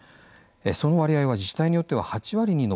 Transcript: その割合は自治体によっては８割に上っています。